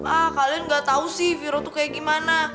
ah kalian gak tau sih viro tuh kayak gimana